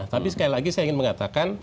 tapi sekali lagi saya ingin mengatakan